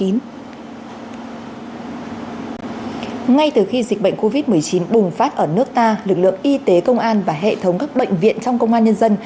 ngay từ khi dịch bệnh covid một mươi chín bùng phát ở nước ta lực lượng y tế công an và hệ thống các bệnh viện trong công an nhân dân